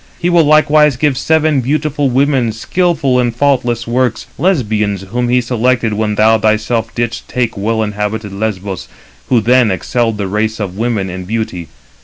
He will likewise give seven beautiful women, skilful in faultless works, Lesbians, whom he selected when thou thyself didst take well inhabited Lesbos, who then excelled the race of women in beauty.